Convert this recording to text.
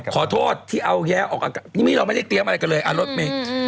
ขอโทษที่เอาแย้ออกอากาศนี่เราไม่ได้เตรียมอะไรกันเลยรถเมฆ